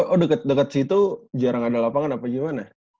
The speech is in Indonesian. oh deket deket situ jarang ada lapangan apa gimana